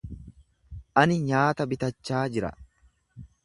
Ani nyaata bitachaa jira.